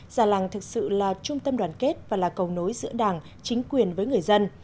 già làng thực sự là trung tâm đoàn kết và là cầu nối giữa đảng chính quyền với người dân